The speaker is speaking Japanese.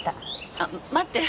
あっ待って。